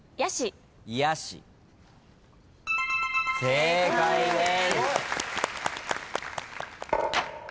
正解です。